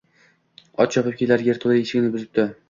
Ot chopib kelib yerto‘la eshigini buzibdi…